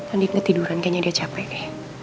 andin ketiduran kayaknya dia capek ya